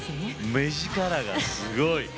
目力がすごい。